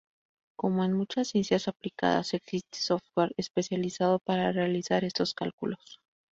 Como en muchas ciencias aplicadas, existe software especializado para realizar estos cálculos.